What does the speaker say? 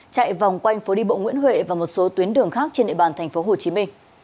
chạy vòng quanh phố đi bộ nguyễn huệ và một số tuyến đường khác trên địa bàn tp hcm